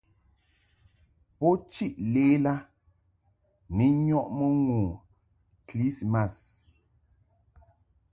Bo chiʼ lela ni nyɔʼmɨ ŋu kɨlismas.